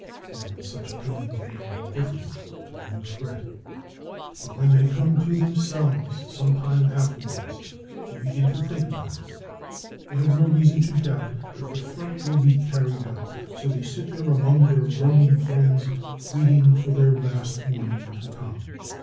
They are in such pain that they are indifferent to the new threat. But when they come to themselves some i time afterwards, they begin to think about it. They have j no reason to doubt that the threat will be carried out. So ^~ w Jxcy sit there among tlfbir groaning friends, waiting for their last morning to come.